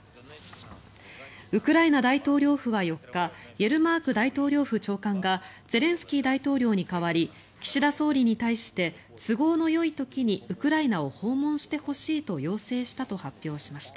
ウクライナ大統領府は４日イェルマーク大統領府長官がゼレンスキー大統領に代わり岸田総理に対して都合のよい時にウクライナを訪問してほしいと要請したと発表しました。